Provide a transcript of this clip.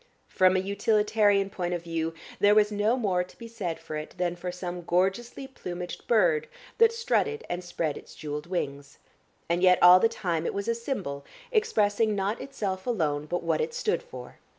From a utilitarian point of view there was no more to be said for it than for some gorgeously plumaged bird that strutted and spread its jewelled wings, and yet all the time it was a symbol, expressing not itself alone but what it stood for.